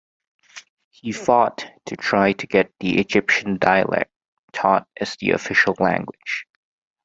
He fought to try to get the Egyptian dialect taught as the official language.